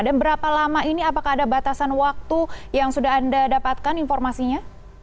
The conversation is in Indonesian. dan berapa lama ini apakah ada batasan waktu yang sudah anda dapatkan informasinya